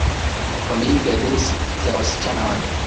Wameiga densi za wasichana wale.